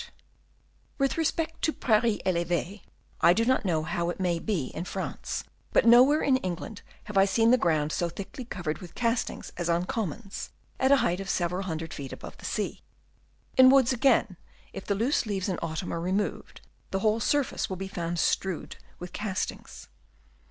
* With respect to " prairies elevees," I do not know how it may be in France, but nowhere in England have I seen the ground so thickly covered with castings as on commons, at a height of several hundred feet above the sea. In woods again, if the loose leaves in autumn are removed, the whole surface will be found strewed with castings.